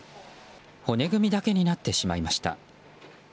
骨組みだけになってしまいました。